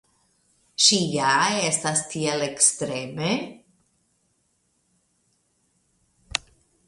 Ŝi ja estas tiel ekstreme?